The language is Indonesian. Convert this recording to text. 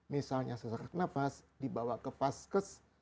misalnya sesak nafas dibawa ke vaskes